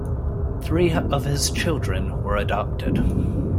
Three of his children were adopted.